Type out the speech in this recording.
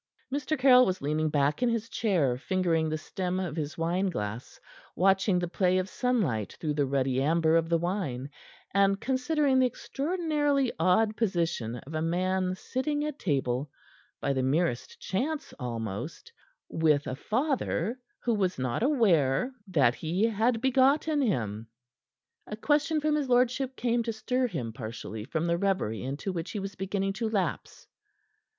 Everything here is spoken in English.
Mr. Caryll was leaning back in his chair, fingering the stem of his wine glass, watching the play of sunlight through the ruddy amber of the wine, and considering the extraordinarily odd position of a man sitting at table, by the merest chance, almost, with a father who was not aware that he had begotten him. A question from his lordship came to stir him partially from the reverie into which he was beginning to lapse.